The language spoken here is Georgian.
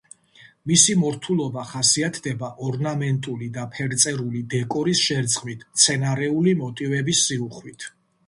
მისი მორთულობა ხასიათდება ორნამენტული და ფერწერული დეკორის შერწყმით, მცენარეული მოტივების სიუხვით.